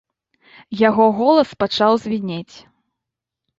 Яго голас пачаў звінець.